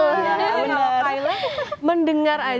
kalau kayla mendengar aja